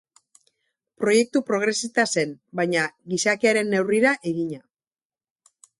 Proiektu progresista zen, baina gizakiaren neurrira egina.